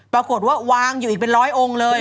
ปรากฏว่าวางอยู่อีกเป็นร้อยองค์เลย